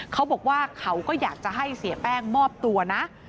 เขาบอกว่าเขาก็อยากจะให้เสียแป้งมอบตัวนะ